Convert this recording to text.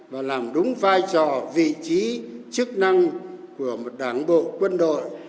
và làm đúng vai trò vị trí chức năng của một đảng bộ quân đội